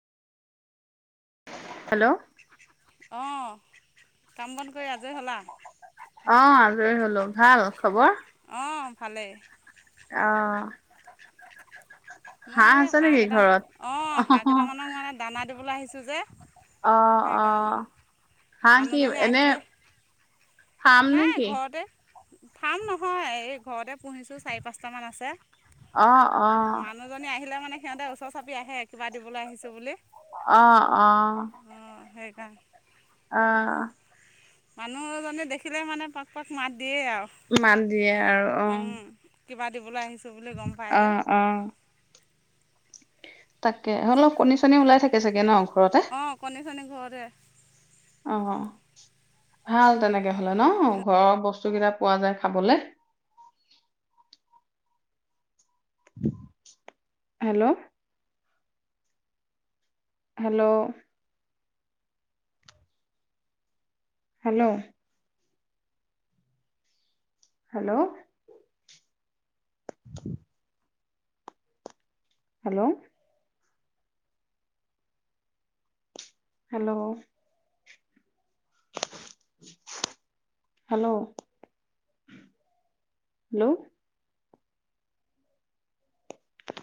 Hello অ', কাম বন্দ কৰি আজয় হলা? অ', আজৰি হলো ভাল খবৰ? অ', ভালেই। অ', মই এই আছে হাঁহ নেকি কেইটাম ঘৰত অ হাঁহ কেইটামানক মানে দানা দিবলৈ আহিছো যে। অ' সেইকাৰণে অ' হাঁহ কি মানুহজনী এনে আহিলে ফাৰ্ম নাই নেকি ঘৰতে। ফ্ৰম নহয় এই ঘৰতে পুহিছোঁ চাৰি পাঁচটামান আছে। অ অ আপুনি আহিলে মানে সিহঁতে ওচৰ চাপি আহে কিবা দিবলৈ আহিছো বুলি। অ-অ, উম, অ '। মানুহ জনে দেখিলে মানে পাক পাক মাত দিয়েই আৰু মান দিয়ে আৰু অ'। কিবা দিবলৈ আহিছোঁ বুলি গম পায় অ যে। অ তাকে অলপ কণী-চনী ওলাই থাকে চাগে ন। ঘৰতে অ' কণী চণী ঘৰৰে অ', ভাল তেনেকে হলে ন ঘৰৰ বস্তু কেইটা পোৱা যায় খাবলে। [inaudible] Hello hello hello hello [inaudible] hello hello hello hello